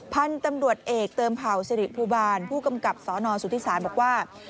พันธุ์ตำรวจเอกเติมเผ่าสิริภูบาลผู้กำกับสนสุธิศาลบอกว่า